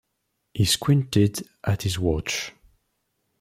He squinted at his watch.